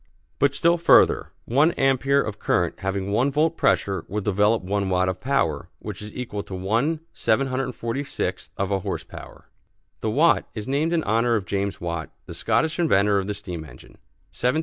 But still further: One ampère of current having one volt pressure will develop one watt of power, which is equal to 1/746 of a horse power. (The watt is named in honor of James Watt, the Scottish inventor of the steam engine 1786 1813).